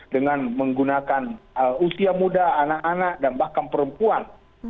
dengan menggunakan usia muda anak anak dan bahkan perempuan